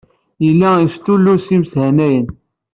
Yella yestullus imeshanayen.